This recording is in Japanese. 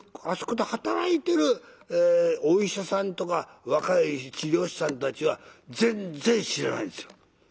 あそこで働いてるお医者さんとか若い治療師さんたちは全然知らないんですよ。